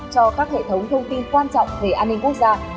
cho các hệ thống thông tin quan trọng về an ninh quốc gia